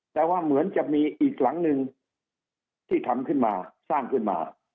แต่ว่าเหมือนจะมีอีกหลังหนึ่งที่ทำขึ้นมาสร้างขึ้นมา